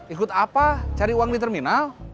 ikut apa cari uang di terminal